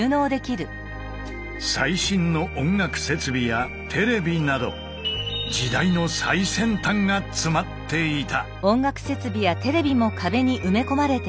最新の音楽設備やテレビなど時代の最先端が詰まっていた。